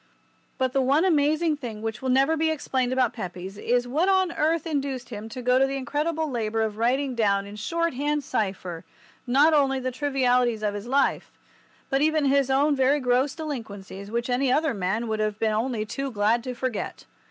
But the one amazing thing which will never be explained about Pepys is what on earth induced him to go to the incredible labour of writing down in shorthand cipher not only all the trivialities of his life, but even his own very gross delinquencies which any other man would have been only too glad to forget.